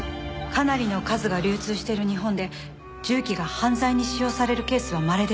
かなりの数が流通している日本で銃器が犯罪に使用されるケースはまれです。